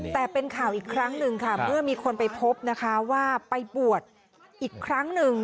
แต่เป็นข่าวอีกครั้งหนึ่งค่ะเมื่อมีคนไปพบนะคะว่าไปบวชอีกครั้งหนึ่ง